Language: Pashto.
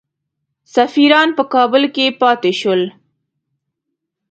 سفیران په کابل کې پاته شول.